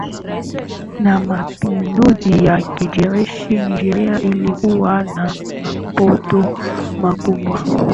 na mapinduzi ya kijeshi Nigeria ilikuwa na mapato makubwa